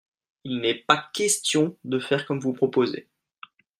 Il n'est pas question de faire comme vous proposez.